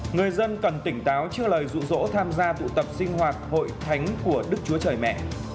người dân cần tỉnh táo trước lời rụ rỗ tham gia tụ tập sinh hoạt hội thánh của đức chúa trời mẹ